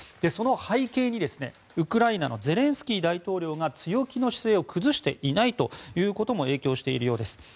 その背景にウクライナのゼレンスキー大統領が強気の姿勢を崩していないことも影響しているようです。